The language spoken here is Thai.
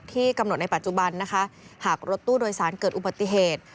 ที่กำหนดในปัจจุบันนะคะหากรถตู้โดยสารเกิดอุบัติเหตุ